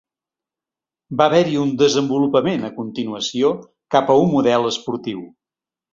Va haver-hi un desenvolupament a continuació, cap a un model esportiu.